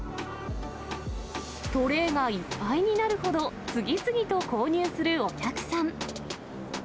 トレーがいっぱいになるほど、次々と購入するお客さん。